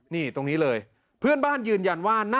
นี่ตรงนี้เลยเพื่อนบ้านยืนยันว่านั่นแหละ